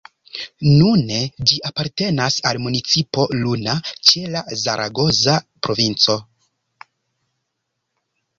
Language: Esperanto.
Nune ĝi apartenas al municipo Luna, ĉe la Zaragoza provinco.